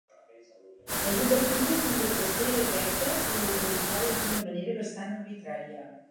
Les obertures són de testera recta i localitzades d'una manera basant arbitrària.